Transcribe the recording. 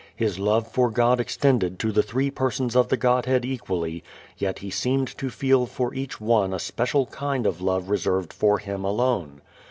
His love for God extended to the three Persons of the Godhead equally, yet he seemed to feel for each One a special kind of love reserved for Him alone.